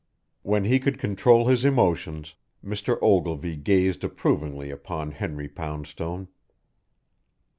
When he could control his emotions, Mr. Ogilvy gazed approvingly upon Henry Poundstone.